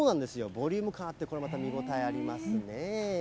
ボリューム感あって、これまた見ごたえありますね。